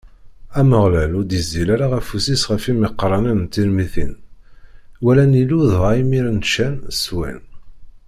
Ameɣlal ur d-iẓẓil ara afus-is ɣef imeqranen n Tirmitin, walan Illu dɣa imiren ččan, swan.